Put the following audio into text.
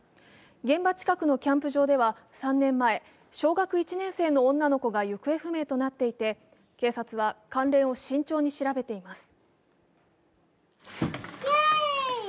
現場近くのキャンプ場では３年前、小学１年生の女の子が行方不明となっていて警察は関連を慎重に調べています。